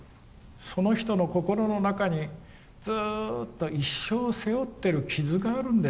その人の心の中にずうっと一生背負ってる傷があるんです